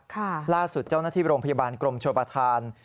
ล่าสุดเจ้าหน้าที่โรงพยาบาลกรมชมประธาน